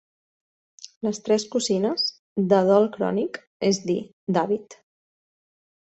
Les tres cosines, de dol crònic, es dir, d'hàbit